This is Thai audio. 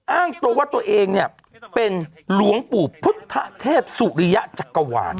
อ้างตัวว่าตัวเองเนี่ยเป็นหลวงปู่พุทธเทพสุริยะจักรวาล